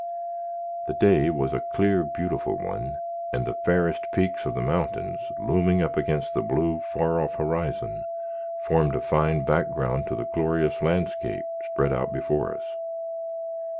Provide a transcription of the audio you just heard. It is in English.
The day was a clear, beautiful one, and the fairest peaks of the mountains, looming up against the blue, far off horizon, formed a fine background to the glorious landscape spread out before us.